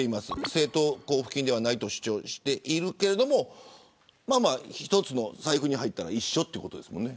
政党交付金ではないと主張していますが一つの財布に入ったら一緒ということですもんね。